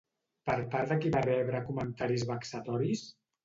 Per part de qui va rebre comentaris vexatoris?